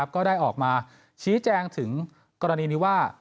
ก็ได้ออกมาชี้แจงถึงกรณีนี้ว่า